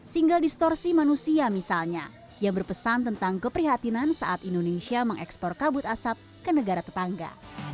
single distorsi manusia misalnya yang berpesan tentang keprihatinan saat indonesia mengekspor kabut asap ke negara tetangga